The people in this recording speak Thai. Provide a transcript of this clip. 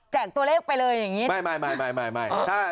แจกตัวเลขไปเลยอย่างนี้